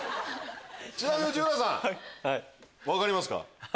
ちなみに内村さん分かりますか？